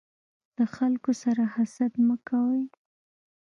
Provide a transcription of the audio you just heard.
د خلکو سره حسد مه کوی.